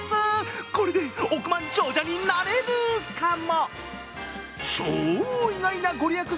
これで億万長者になれるかも。